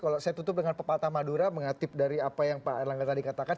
kalau saya tutup dengan pepatah madura mengatip dari apa yang pak erlangga tadi katakan